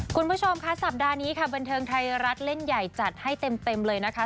คุณผู้ชมค่ะสัปดาห์นี้ค่ะบันเทิงไทยรัฐเล่นใหญ่จัดให้เต็มเลยนะคะ